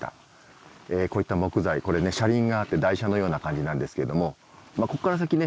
こういった木材これね車輪があって台車のような感じなんですけどもここから先ね